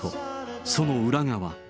その裏側。